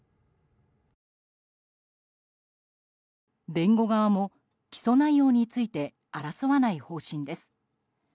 弁護側も起訴内容について争わない方針です。